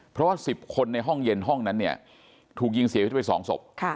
เพราะว่า๑๐คนในห้องเย็นห้องนั้นเนี่ยถูกยิงเสียชีวิตไป๒ศพ